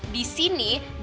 di sini batunya keras